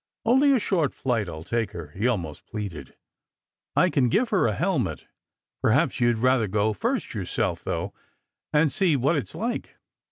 " Only a short flight, I ll take her," he almost pleaded. "I can give her a helmet. Perhaps you d rather go first yourself, though, and see what it s like."